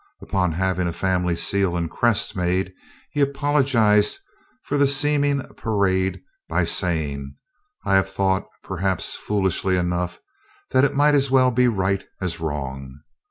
Upon having a family seal and crest made, he apologized for the seeming parade by saying, "I have thought, perhaps foolishly enough, that it might as well be right as wrong."